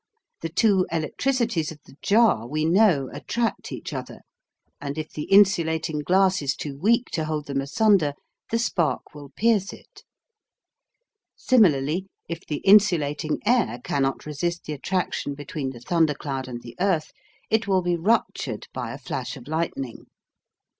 The two electricities of the jar, we know, attract each other, and if the insulating glass is too weak to hold them asunder, the spark will pierce it. Similarly, if the insulating air cannot resist the attraction between the thundercloud and the earth, it will be ruptured by a flash of lightning.